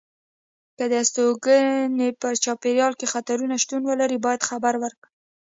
که د استوګنې په چاپېریال کې خطرونه شتون ولري باید خبر ورکړي.